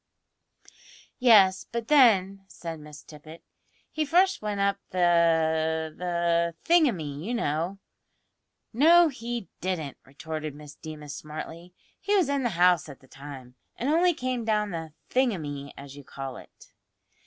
"Yes; but then," said Miss Tippet, "he first went up the the thingumy, you know." "No, he didn't," retorted Miss Deemas smartly; "he was in the house at the time, and only came down the `thingumy,' as you call it!"